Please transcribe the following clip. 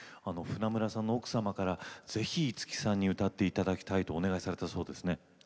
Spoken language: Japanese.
船村さんの奥様からぜひ五木さんに歌っていただきたいとお願いされたそうですね。